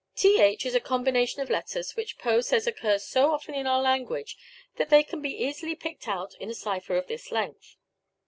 Th is a combination of letters which Poe says occurs so often in our language that they can easily be picked out in a cipher of this length.